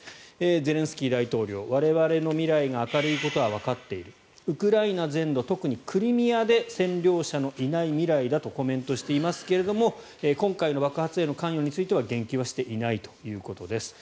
ゼレンスキー大統領我々の未来が明るいことはわかっているウクライナ全土、特にクリミアで占領者のいない未来だとコメントをしていますが今回への爆発への関与には言及はしていないということです。